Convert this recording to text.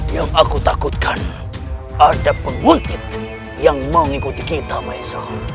yang aku takutkan ada penguntit yang mengikuti kita maisa